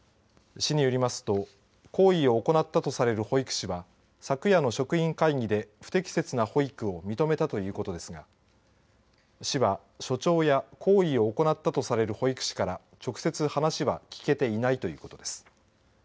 市によりますと行為を行ったとされる保育士は昨夜の職員会議で不適切な保育を認めたということですが市は、所長や行為を行ったとされる保育士から直接話は聞けていないということです。